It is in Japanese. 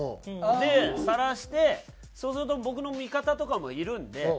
でさらしてそうすると僕の味方とかもいるんで。